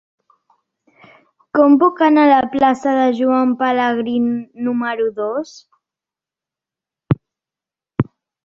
Com puc anar a la plaça de Joan Pelegrí número dos?